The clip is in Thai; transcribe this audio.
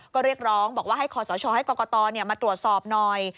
ก็เรียกร้องบอกว่าให้คอสชให้กรกตมาตรวจสอบหน่อย